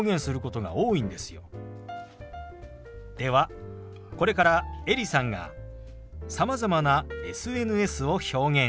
ではこれからエリさんがさまざまなＳＮＳを表現します。